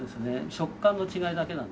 食感の違いだけなんで。